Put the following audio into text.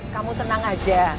kamu tenang aja